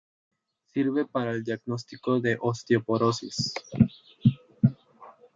Sirve para el diagnóstico de osteoporosis.